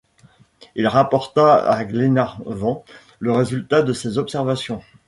Il rapporta à Glenarvan le résultat de ses observations.